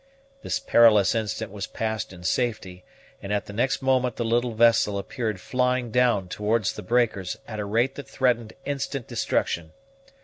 This perilous instant was passed in safety, and at the next moment the little vessel appeared flying down toward the breakers at a rate that threatened instant destruction.